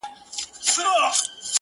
• وي مي له سهاره تر ماښامه په خدمت کي -